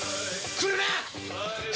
来るな！